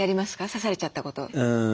刺されちゃったこと。